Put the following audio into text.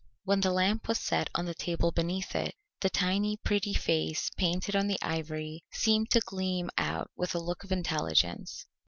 When the lamp was set on the table beneath it, the tiny pretty face painted on the ivory seemed to gleam out with a look of intelligence.